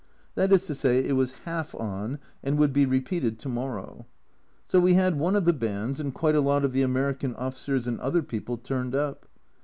That is to say, it was half on and would be repeated to morrow. So we had one of the bands, and quite a lot of the American officers and other people turned up.